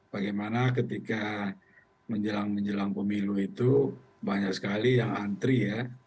bagaimana ketika menjelang menjelang pemilu itu banyak sekali yang antri ya